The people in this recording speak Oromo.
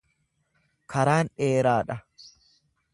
Karaan dheeraa dha.